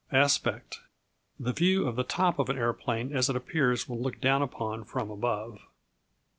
Aspect The view of the top of an aeroplane as it appears when looked down upon from above.